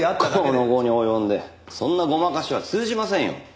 この期に及んでそんなごまかしは通じませんよ。